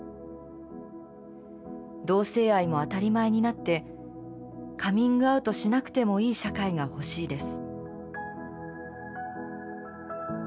同性愛も当たり前になってカミングアウトしなくてもいい社会が欲しいです」。